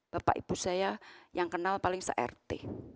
bapak ibu saya yang kenal paling sert